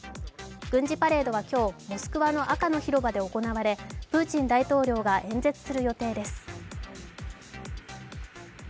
軍事パレードは今日、モスクワの赤の広場で行われプーチン大統領が演説する予定です。